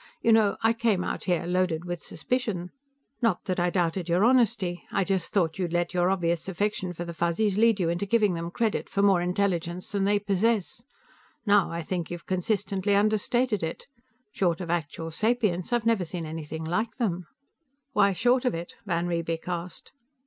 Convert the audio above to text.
"You know, I came out here loaded with suspicion. Not that I doubted your honesty; I just thought you'd let your obvious affection for the Fuzzies lead you into giving them credit for more intelligence than they possess. Now I think you've consistently understated it. Short of actual sapience, I've never seen anything like them." "Why short of it?" van Riebeek asked.